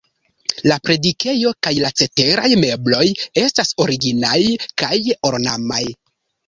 La predikejo kaj la ceteraj mebloj estas originaj kaj ornamaj.